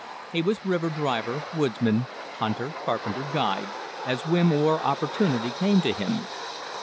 He was river driver, woodsman, hunter, carpenter, guide, as whim or opportunity came to him.